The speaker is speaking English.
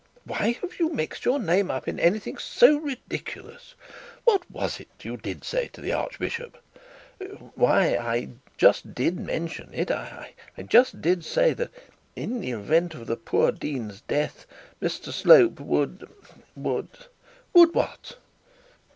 Why have you mixed your name up in any thing so ridiculous? What was it you did say to the archbishop?' 'Why, I did just mention it; I just did say that that in the event of the poor dean's death, Mr Slope would would ' 'Would what?'